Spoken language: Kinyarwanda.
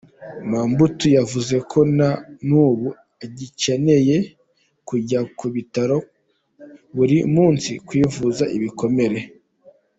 Mabbutt yavuze ko na n'ubu agicyenera kujya ku bitaro buri munsi kwivuza ibikomere.